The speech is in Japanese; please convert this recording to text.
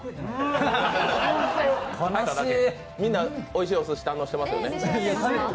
みんなおいしいおすし堪能していますかね。